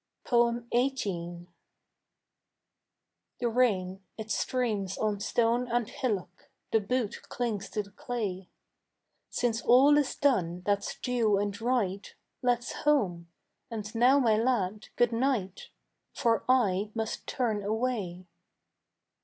XVIII. The rain, it streams on stone and hillock, The boot clings to the clay. Since all is done that's due and right Let's home; and now, my lad, good night, For I must turn away.